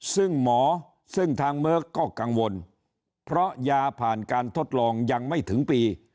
ซึ่งหมอซึ่งทางเมิร์กก็กังวลเพราะยาผ่านการทดลองยังไม่ถึงปี